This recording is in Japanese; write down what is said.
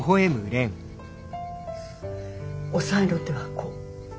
押さえの手はこう。